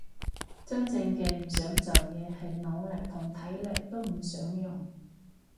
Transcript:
真正嘅唔想做嘢係腦力同體力都唔想用